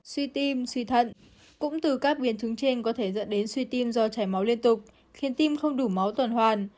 xuy tim xuy thận cũng từ các viên thứng trên có thể dẫn đến xuy tim do chảy máu liên tục khiến tim không đủ máu toàn hoàn